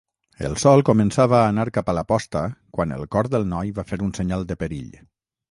El sol començava a anar cap a la posta quan el cor del noi va fer un senyal de perill.